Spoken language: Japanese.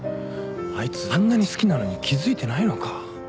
あいつあんなに好きなのに気付いてないのか。